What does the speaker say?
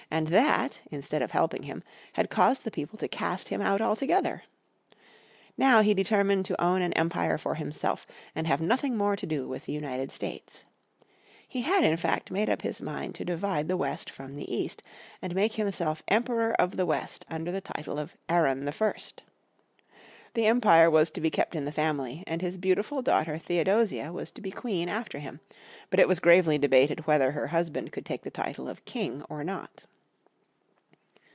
And that, instead of helping him, had caused the people to cast him out altogether. Now he determined to own an empire for himself, and have nothing more to do with the United States. He had in fact made up his mind to divide the West from the East, and make himself Emperor of the West under the title of Aron I. The Empire was to be kept in the family, and his beautiful daughter Theodosia was to be Queen after him; but it was gravely debated whether her husband could take the title of King or not.